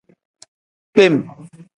Kpem.